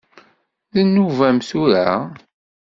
D nnuba-m tura?